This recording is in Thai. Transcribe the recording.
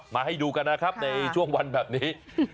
ให้ดูกันนะครับในช่วงวันแบบนี้